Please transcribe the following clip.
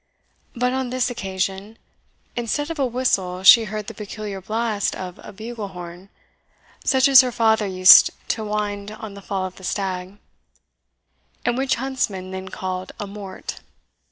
But on this occasion, instead of a whistle, she heard the peculiar blast of a bugle horn, such as her father used to wind on the fall of the stag, and which huntsmen then called a MORT.